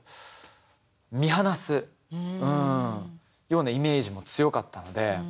ようなイメージも強かったんで。